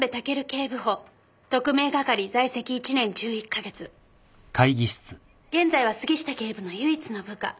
警部補特命係在籍１年１１か月現在は杉下警部の唯一の部下。